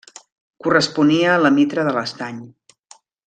Corresponia a la Mitra de l'Estany.